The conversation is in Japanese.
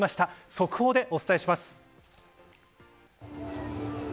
速報でお伝えします。